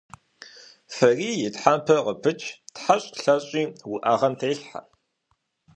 ФӀарий и тхьэмпэр къыпыч, тхьэщӀ, лъэщӀи уӀэгъэм телъхьэ.